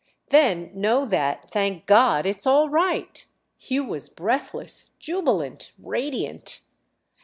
"Then know that, thank God, it's all right!"—Hugh was breathless, jubilant, radiant.